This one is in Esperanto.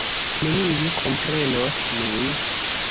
Neniu komprenos nin.